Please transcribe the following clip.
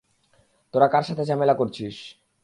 তোরা কার সাথে ঝামেলা করছিস।